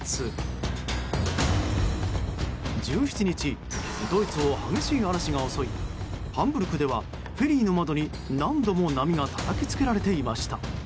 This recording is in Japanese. １７日ドイツを激しい嵐が襲いハンブルクではフェリーの窓に何度も波がたたきつけられていました。